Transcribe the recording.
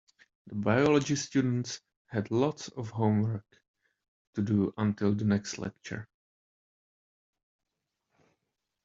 The biology students had lots of homework to do until the next lecture.